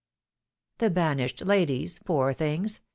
The banished ladies (poor things